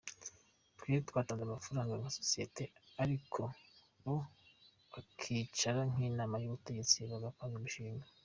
Twe twatanze amafaranga nka sosiyete ariko bo bakicara nk’inama y’ubutegetsi bagapanga imishinga.